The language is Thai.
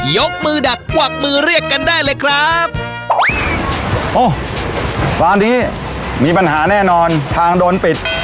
ยกมือดักกวักมือเรียกกันได้เลยครับโอ้ร้านนี้มีปัญหาแน่นอนทางโดนปิด